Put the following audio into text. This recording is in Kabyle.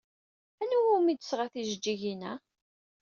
Anwa umi d-tesɣa tijeǧǧigin-a?